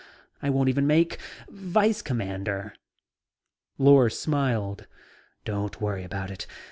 I won't even make Vice commander." Lors smiled. "Don't worry about it.